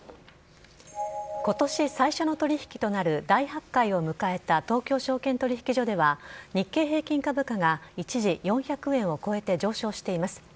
ことし最初の取り引きとなる大発会を迎えた東京証券取引所では、日経平均株価が一時４００円を超えて上昇しています。